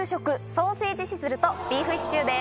ソーセージシズルとビーフシチューです。